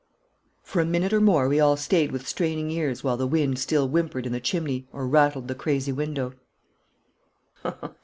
For a minute or more we all stayed with straining ears while the wind still whimpered in the chimney or rattled the crazy window.